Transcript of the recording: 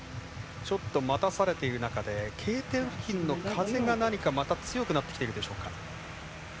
ちょっと待たされている中でＫ点付近の風が何か、また強くなってきているでしょうか。